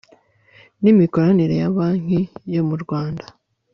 N IMIKORANIRE ya ma banki yo murwanda